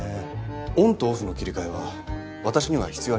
オンとオフの切り替えは私には必要ありません。